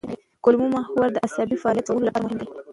کولمو محور د عصبي فعالیت ښه کولو لپاره مهم دی.